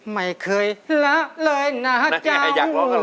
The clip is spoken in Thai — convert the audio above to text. ไม่เคยรักเลยหนะเจ้า